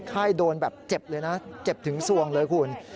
ไข้โดนแบบเจ็บเลยนะเจ็บถึงสวงเลยคุณ